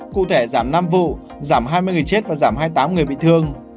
cụ thể giảm năm vụ giảm hai mươi người chết và giảm hai mươi tám người bị thương